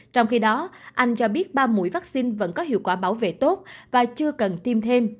trong khi đó anh cho biết ba mũi vaccine vẫn có hiệu quả bảo vệ tốt và chưa cần tiêm thêm